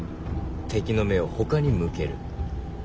敵の目をほかに向ける。